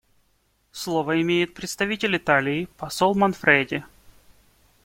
Слово имеет представитель Италии посол Манфреди.